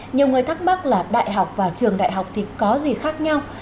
nhiều người thắc mắc là đại học và trường đại học thì có gì khác nhau